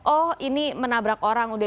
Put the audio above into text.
oh ini menabrak orang